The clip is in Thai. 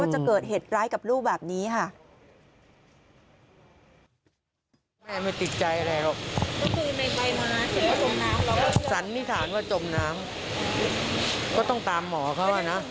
จะเกิดเหตุร้ายกับลูกแบบนี้ค่ะ